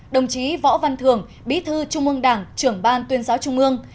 đồng chí võ văn thường bí thư trung ương đảng trưởng ban tuyên giáo trung ương